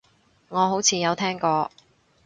我好似有聽過